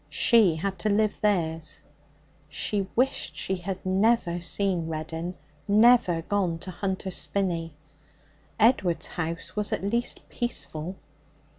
She had to live theirs. She wished she had never seen Reddin, never gone to Hunter's Spinney. Edward's house was at least peaceful.